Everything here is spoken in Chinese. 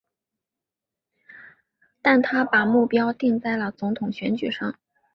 但他把目标定在了总统选举上。